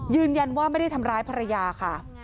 ยืนยันว่าไม่ได้ทำร้ายภรรยาค่ะ